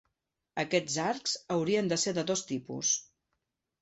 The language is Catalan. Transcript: Aquests arcs haurien de ser de dos tipus.